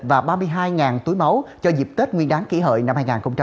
và ba mươi hai túi máu cho dịp tết nguyên đáng kỷ hợi năm hai nghìn một mươi chín